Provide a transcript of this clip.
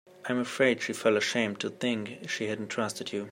I'm afraid she'd feel ashamed to think she hadn't trusted you.